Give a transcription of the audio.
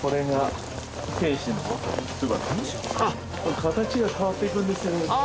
形が変わっていくんですよああ